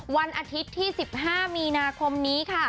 วันอาทิตย์ที่๑๕มีนาคมนี้ค่ะ